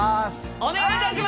お願い致します！